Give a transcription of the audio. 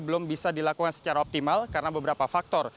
belum bisa dilakukan secara optimal karena beberapa faktor